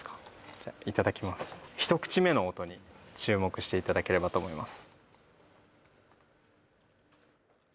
じゃあいただきます一口目の音に注目していただければと思います